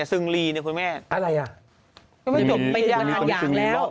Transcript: ซึงลีนี่คุณแม่ไปถึงประทานอย่างแล้ว